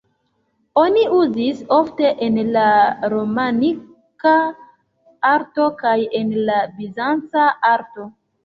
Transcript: Oni uzis ofte en la romanika arto kaj en la bizanca arto.